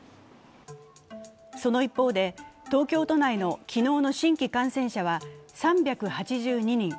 その一方で、東京都内の昨日の新規感染者は３８２人。